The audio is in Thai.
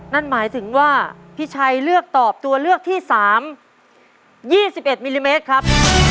นั่นหมายถึงว่าพี่ชัยเลือกตอบตัวเลือกที่๓๒๑มิลลิเมตรครับ